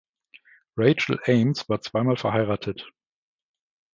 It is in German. Rachel Ames war zweimal verheiratet.